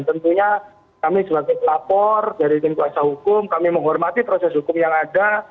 tentunya kami sebagai pelapor dari tim kuasa hukum kami menghormati proses hukum yang ada